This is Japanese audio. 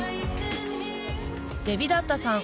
デウィダッタさん